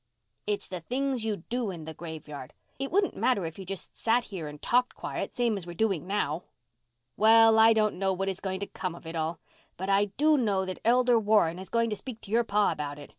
"It's the things you do in the graveyard. It wouldn't matter if you just sat here and talked quiet, same as we're doing now. Well, I don't know what is going to come of it all, but I do know that Elder Warren is going to speak to your pa about it.